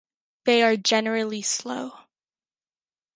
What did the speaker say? They are generally slow.